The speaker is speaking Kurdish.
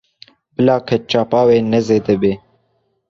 Bila ketçapa wê ne zêde be.